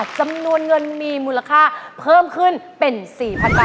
จำนวนเงินมีมูลค่าเพิ่มขึ้นเป็น๔๐๐๐บาท